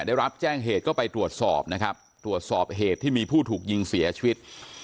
ได้รับแจ้งเหตุก็ไปตรวจสอบนะครับตรวจสอบเหตุที่มีผู้ถูกยิงเสียชีวิต